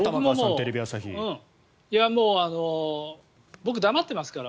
僕、黙ってますから。